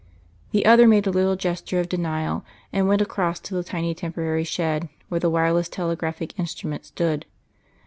The other made a little gesture of denial, and went across to the tiny temporary shed where the wireless telegraphic instrument stood.